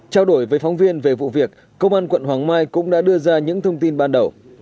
trao đổi với phóng viên về vụ việc công an quận hoàng mai cũng đã đưa ra những thông tin ban đầu